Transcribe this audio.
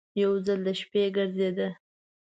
یو ځل د شپې ګرځېده.